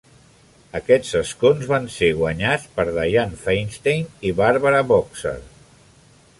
Aquests escons van ser guanyats per Dianne Feinstein i Barbara Boxer.